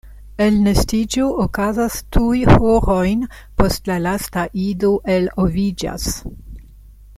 Elnestiĝo okazas tuj horojn post la lasta ido eloviĝas.